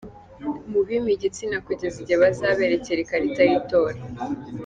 Mubime igitsina kugeza igihe bazaberekera ikarita y’itora.